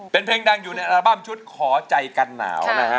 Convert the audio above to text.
เป็นเพลงดังอยู่ในอัลบั้มชุดขอใจกันหนาวนะฮะ